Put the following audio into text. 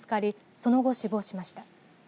その後、死亡しました。